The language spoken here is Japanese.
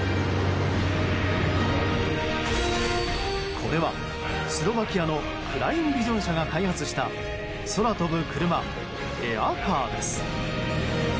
これはスロバキアのクライン・ビジョン社が開発した空飛ぶ車、エア・カーです。